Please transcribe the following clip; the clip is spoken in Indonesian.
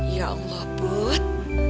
ya allah put